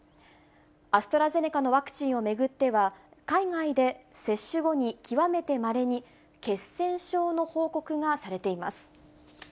アストラゼネカのワクチンを巡っては、海外で接種後に極めてまれに、血栓症の報告がされています。